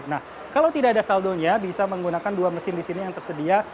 nah kalau tidak ada saldonya bisa menggunakan dua mesin di sini yang tersedia